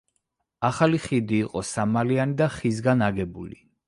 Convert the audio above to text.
ახალი ხიდი იყო სამმალიანი და ხისგან აგებული.